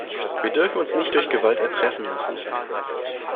Wir dürfen uns nicht durch Gewalt erpressen lassen.